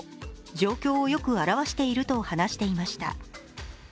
状況をよく表していると話していました。